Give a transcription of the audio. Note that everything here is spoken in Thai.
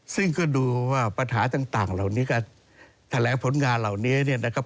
ซึ่งก็ดูว่าปัญหาต่างเหล่านี้ก็แถลงผลงานเหล่านี้เนี่ยนะครับ